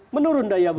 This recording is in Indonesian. menurun daya beli